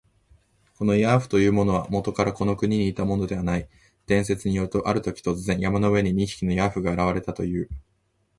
このヤーフというものは、もとからこの国にいたものではない。伝説によると、あるとき、突然、山の上に二匹のヤーフが現れたという。